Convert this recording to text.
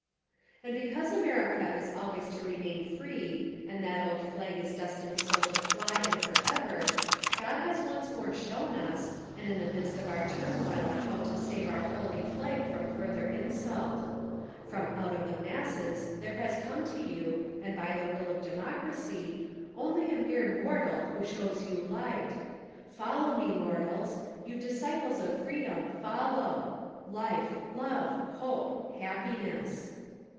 And because America is always to remain free, and that old flag is destined to so fly and forever, God has once more shown us, and in the midst of our turmoil how to save our holy flag from further insult : From out of the masses there has come to you, and by the will of democracy, only a mere mortal who_ shows you light. Follow me, mortals; you disciples of freedom follow : "Life, love, hope — happiness."